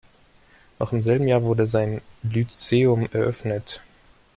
Noch im selben Jahr wurde ein Lyzeum eröffnet.